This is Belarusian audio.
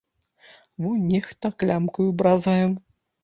Вунь нехта клямкаю бразгае.